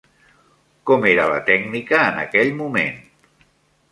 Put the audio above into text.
Com era la tècnica en aquell moment?